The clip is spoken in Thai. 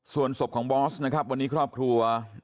ส่วนศพของบอสนะครับวันนี้ครอบครัว